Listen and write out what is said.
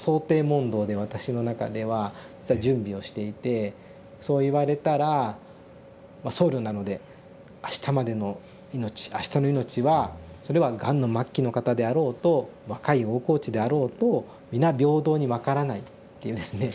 問答で私の中では準備をしていてそう言われたら僧侶なので「あしたまでの命あしたの命はそれはがんの末期の方であろうと若い大河内であろうと皆平等に分からない」っていうですね